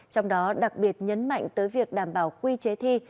trong đó đặc biệt nhấn mạnh tới việc đảm bảo quy chế thi